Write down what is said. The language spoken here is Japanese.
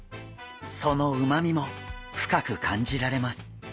そのうまみも深く感じられます。